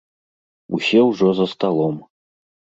Усе ўжо за сталом.